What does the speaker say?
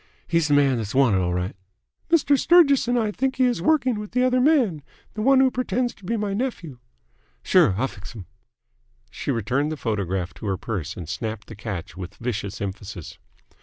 He's th' man that's wanted 'll right." "Mr. Sturgis and I both think he is working with the other man, the one who pretends to be my nephew." "Sure. I'll fix 'm." She returned the photograph to her purse and snapped the catch with vicious emphasis.